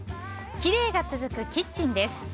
きれいが続くキッチンです。